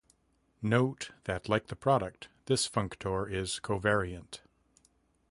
Note that, like the product, this functor is "covariant".